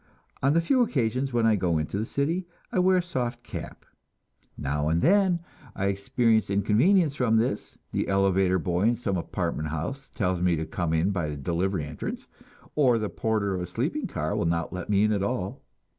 On the few occasions when I go into the city, I wear a soft cap. Now and then I experience inconvenience from this the elevator boy in some apartment house tells me to come in by the delivery entrance, or the porter of a sleeping car will not let me in at all.